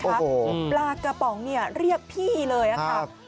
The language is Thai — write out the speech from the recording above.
เปล่ากระป๋องเรียกพี่เลยนะคะ